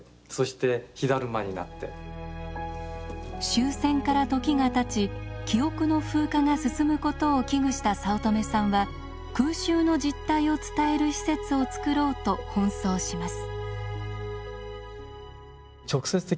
終戦から時がたち記憶の風化が進むことを危惧した早乙女さんは空襲の実態を伝える施設を作ろうと奔走します。